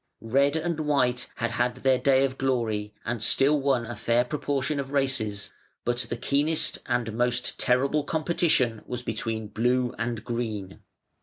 Red and White had had their day of glory and still won a fair proportion of races, but the keenest and most terrible competition was between Blue and Green.